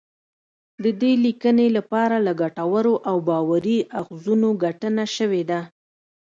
د دې لیکنی لپاره له ګټورو او باوري اخځونو ګټنه شوې ده